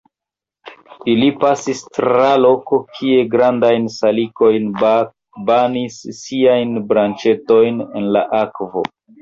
Ili pasis tra loko, kie grandaj salikoj banis siajn branĉetojn en la akvo.